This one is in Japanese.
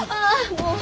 もう。